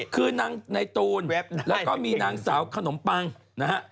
คือนางในตูนแล้วก็มีนางสาวขนมปังนะฮะ